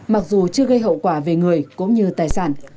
mặc dù chưa gây hậu quả về người cũng như tài sản